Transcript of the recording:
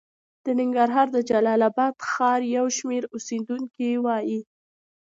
د ننګرهار د جلال اباد ښار یو شمېر اوسېدونکي وايي